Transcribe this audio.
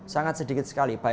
sangat sedikit sekali